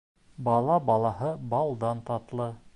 Бала балаһы балдан татлы.